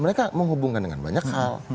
mereka menghubungkan dengan banyak hal